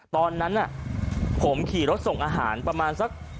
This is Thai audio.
ตอนนั้นผมขี่รถส่งอาหารประมาณสัก